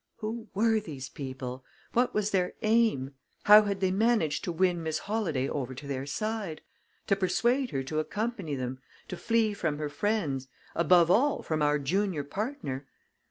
Who were these people? What was their aim? How had they managed to win Miss Holladay over to their side; to persuade her to accompany them; to flee from her friends above all, from our junior partner?